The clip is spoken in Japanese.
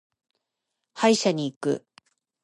歯医者に行く。